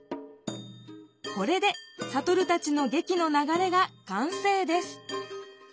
これでサトルたちの劇の流れが完成です